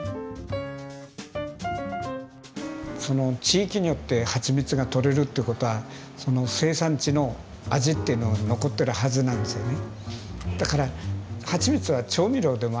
その地域によってはちみつが採れるってことはその生産地の味っていうのが残ってるはずなんですよね。